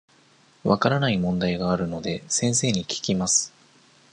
分からない問題があるので、先生に聞きます。